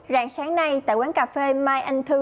rạng sáng nay tại quán cà phê mai anh thư